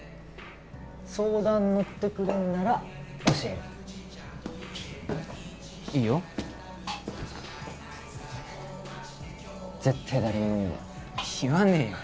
相談乗ってくれんなら教えるいいよ絶対誰にも言うなよ